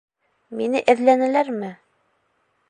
— Мине эҙләнеләрме?